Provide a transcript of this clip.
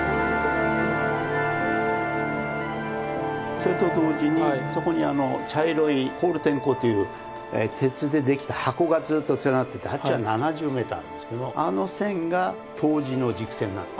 それと同時にそこにあの茶色いコールテン鋼という鉄で出来た箱がずっと連なっててあっちは７０メーターあるんですけどもあの線が冬至の軸線なんですよね。